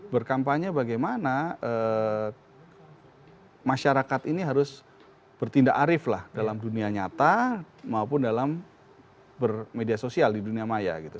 berkampanye bagaimana masyarakat ini harus bertindak arif lah dalam dunia nyata maupun dalam bermedia sosial di dunia maya gitu